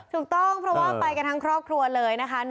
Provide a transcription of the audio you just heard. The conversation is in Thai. ถูกต้องเพราะว่าไปกันทั้งครอบครัวเลยนะคะ